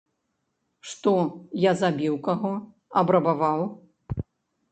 Што, я забіў каго, абрабаваў?